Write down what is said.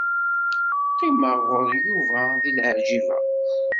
Qqimeɣ ɣur Yuba deg Leɛǧiba.